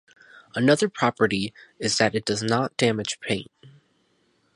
Another property is that it does not damage paint.